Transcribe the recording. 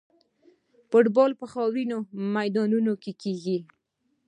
فوټبال په خاورینو میدانونو کې کیږي.